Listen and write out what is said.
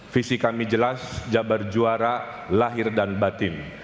visi kami jelas jabar juara lahir dan batin